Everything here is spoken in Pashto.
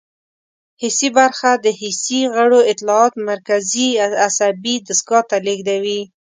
حسي برخه د حسي غړو اطلاعات مرکزي عصبي دستګاه ته لیږدوي.